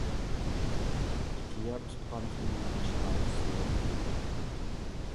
ئىككى يار تۇتقان خېنىمنىڭ، چىرايى سېرىق بولۇر.